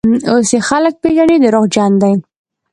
اوس یې خلک پېژني: دروغجن دی.